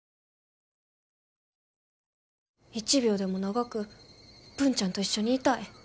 一秒でも長く文ちゃんと一緒にいたい。